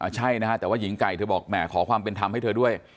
ใช่นะฮะแต่ว่าหญิงไก่เธอบอกแห่ขอความเป็นธรรมให้เธอด้วย